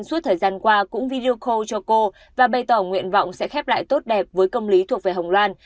suốt thời gian qua cũng video call cho cô và bày tỏ nguyện vọng sẽ khép lại tốt đẹp với công lý thuộc về hồng loan